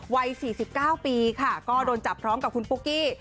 วัย๔๙ปีค่ะก็โดนจับพร้อมกับคุณปุ๊กกี้